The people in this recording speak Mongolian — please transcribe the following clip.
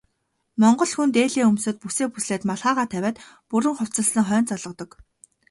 Монгол хүн дээлээ өмсөөд, бүсээ бүслээд малгайгаа тавиад бүрэн хувцасласан хойноо золгодог.